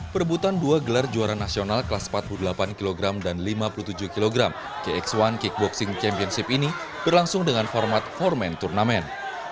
perebutan dua gelar juara nasional kelas empat puluh delapan kg dan lima puluh tujuh kg kx satu kickboxing championship ini berlangsung dengan format empat turnamen